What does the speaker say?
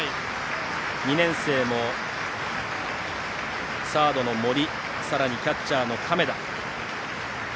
２年生も、サードの森さらにキャッチャーの亀田。